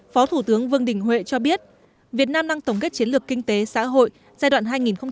phó thủ tướng vương đình huệ cho biết việt nam đang tổng kết chiến lược kinh tế xã hội giai đoạn hai nghìn một mươi một hai nghìn hai mươi